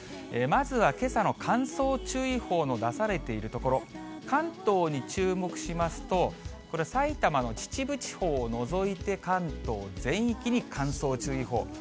まずはけさの乾燥注意報の出されている所、関東に注目しますと、これ、埼玉の秩父地方を除いて、関東全域に乾燥注意報。